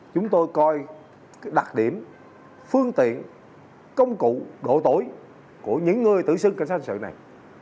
chúng tôi coi cái đặc điểm phương tiện công cụ độ tối của những người tử sinh cảnh sát hành sự này